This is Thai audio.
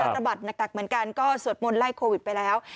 สะบัดหนักเหมือนกันก็สวดมนต์ไล่โควิดไปแล้ว